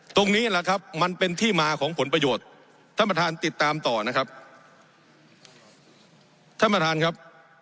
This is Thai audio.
ตรงนี้แหละครับมันเป็นที่มาของผลประโยชน์ท่านประธานติดตามต่อนะครับท่านประธานครับ